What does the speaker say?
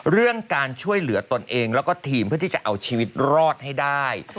เรื่องการช่วยเหลือตนเองแล้วก็ทีมเพื่อที่จะเอาชีวิตรอดให้ได้